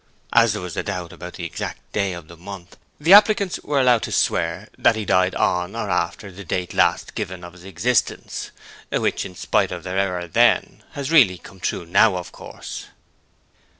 As there was a doubt about the exact day of the month, the applicants were allowed to swear that he died on or after the date last given of his existence which, in spite of their error then, has really come true, now, of course.'